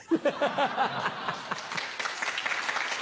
ハハハ！